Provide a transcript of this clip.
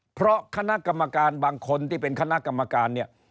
เพราะคณะกรรมการบางคนที่เป็นคณะกรรมการเนี่ย